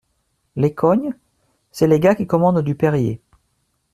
Les cognes ? C’est les gars qui commandent du Perrier !